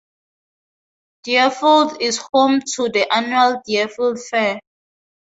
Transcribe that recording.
Deerfield is home to the annual Deerfield Fair.